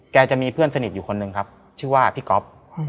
จะมีเพื่อนสนิทอยู่คนหนึ่งครับชื่อว่าพี่ก๊อฟ